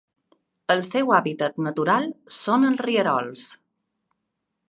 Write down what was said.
El seu hàbitat natural són els rierols.